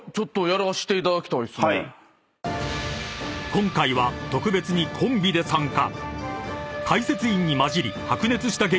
［今回は特別にコンビで参加］